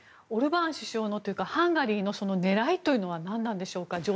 オルバーン首相のというかハンガリーの狙いというのは何なのでしょうか。